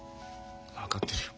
分かってるよ。